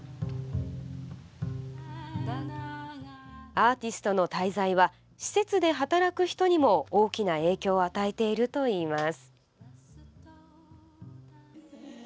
アーティストの滞在は施設で働く人にも大きな影響を与えているといいます。